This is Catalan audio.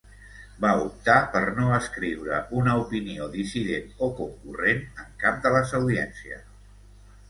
Va optar per no escriure una opinió dissident o concurrent, en cap de les audiències.